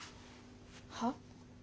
はっ？